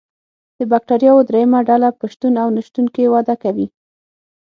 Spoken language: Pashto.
د بکټریاوو دریمه ډله په شتون او نشتون کې وده کوي.